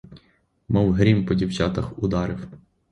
Мов грім по дівчатах ударив!